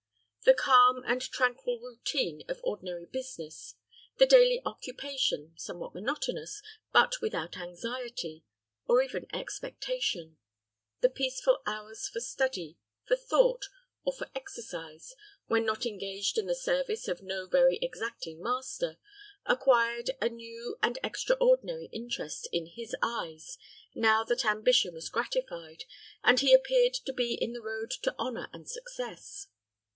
The calm and tranquil routine of ordinary business; the daily occupation, somewhat monotonous, but without anxiety, or even expectation; the peaceful hours for study, for thought, or for exercise, when not engaged in the service of no very exacting master, acquired a new and extraordinary interest in his eyes now that ambition was gratified, and he appeared to be in the road to honor and success.